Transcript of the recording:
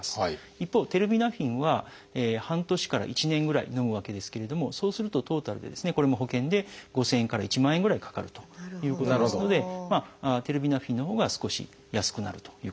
一方テルビナフィンは半年から１年ぐらいのむわけですけれどもそうするとトータルでこれも保険で５，０００円から１万円ぐらいかかるということですのでテルビナフィンのほうが少し安くなるということです。